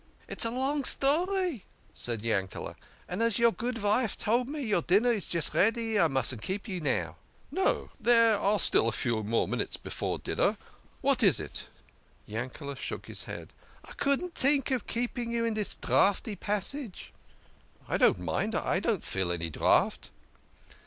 " It's a long story," said Yanked, " and as your good vife told me your dinner is just ready, I mustn't keep you now." " No, there are still a few minutes before dinner. What is it?" THE KING OF SCHNORRERS. 89 Yankele" shook his head. " I couldn't tink of keeping you in dis draughty passage." " I don't mind. I don't feel any draught."